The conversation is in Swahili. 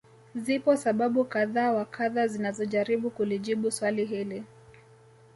Zipo sababu kadha wa kadha zinazojaribu kulijibu swali hili